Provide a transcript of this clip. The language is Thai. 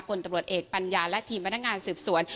ผลตำรวจเอกปัญญาและทีมพนักงานสืบสวน